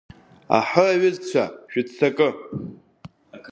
Аҳы, аҩызцәа, шәыццакы!